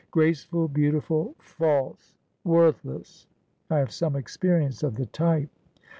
Graceful, beautiful, false, worthless ! I have some experience of the type.'